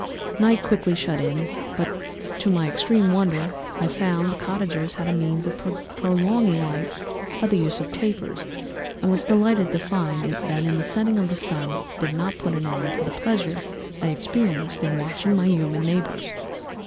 "Night quickly shut in, but to my extreme wonder, I found that the cottagers had a means of prolonging light by the use of tapers, and was delighted to find that the setting of the sun did not put an end to the pleasure I experienced in watching my human neighbours.